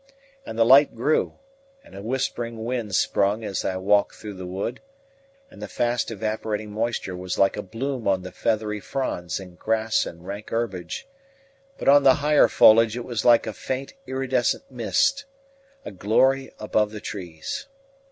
And the light grew, and a whispering wind sprung as I walked through the wood; and the fast evaporating moisture was like a bloom on the feathery fronds and grass and rank herbage; but on the higher foliage it was like a faint iridescent mist a glory above the trees.